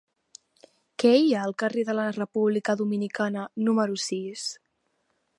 Què hi ha al carrer de la República Dominicana número sis?